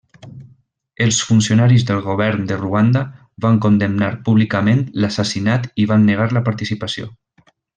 Els funcionaris del govern de Ruanda van condemnar públicament l'assassinat i van negar la participació.